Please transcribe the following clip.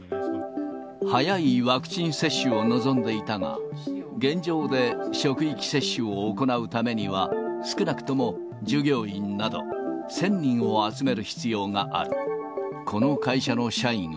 早いワクチン接種を望んでいたが、現状で職域接種を行うためには、少なくとも従業員など１０００人を集める必要がある。